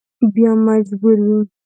بیا مجبور وي.